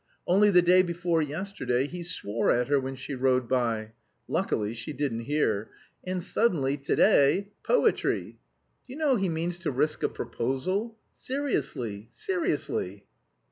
Only the day before yesterday he swore at her when she rode by luckily she didn't hear. And, suddenly, to day poetry! Do you know he means to risk a proposal? Seriously! Seriously!"